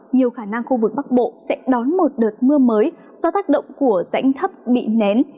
nhiều khả năng khu vực bắc bộ sẽ đón một đợt mưa mới do tác động của rãnh thấp bị nén